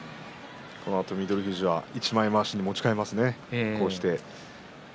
このあと翠富士一枚まわしに持ち替えます。